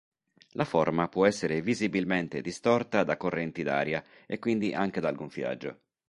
La forma può essere visibilmente distorta da correnti d'aria e quindi anche dal gonfiaggio.